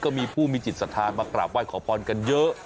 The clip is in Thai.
ก็มีผู้มีจิตศรัทธามากราบไหว้ขอพรกันเยอะ